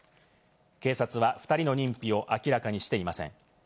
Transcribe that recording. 警察は２人の認否を明らかにしていません。